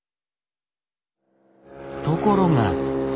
ところが。